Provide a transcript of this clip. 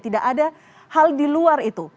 tidak ada hal di luar itu